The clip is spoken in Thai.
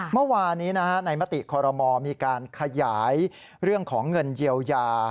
เมื่อวานนี้ในมติคอรมอมีการขยายเรื่องของเงินเยียวยา